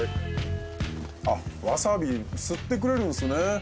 あっわさびすってくれるんすね